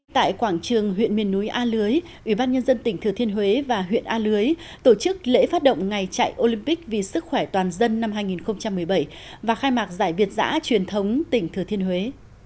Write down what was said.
tại quảng trường huyện miền núi a lưới ủy ban nhân dân tỉnh thừa thiên huế và huyện a lưới tổ chức lễ phát động ngày chạy olympic vì sức khỏe toàn dân năm hai nghìn một mươi bảy và khai mạc giải việt giã truyền thống tỉnh thừa thiên huế